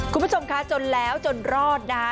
คุณผู้ชมคะจนแล้วจนรอดนะคะ